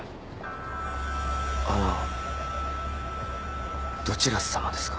あのどちらさまですか？